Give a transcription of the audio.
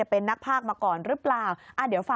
เป็นนักภาคมาก่อนรึเปล่า